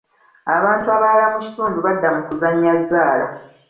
Abantu abalala mu kitundu badda mu kuzannya zzaala.